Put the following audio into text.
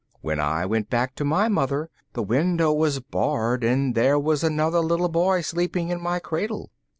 When I went back to my mother, the window was barred, and there was another little boy sleeping in my cradle."